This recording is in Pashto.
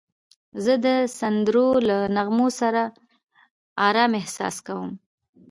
زه د سندرو له نغمو سره آرام احساس کوم.